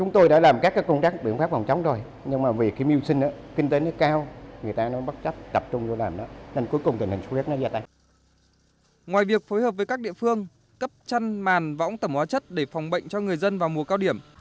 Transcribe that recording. ngoài việc phối hợp với các địa phương cấp chăn màn võng tẩm hóa chất để phòng bệnh cho người dân vào mùa cao điểm